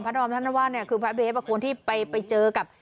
พระดอมท่านว่าเนี่ยคือพระเบฟอ่ะคนที่ไปไปเจอกับ